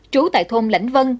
trú tại thôn lãnh văn